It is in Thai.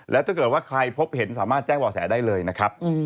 แล้วถ้าเกิดว่าใครพบเห็นสามารถแจ้งบ่อแสได้เลยนะครับ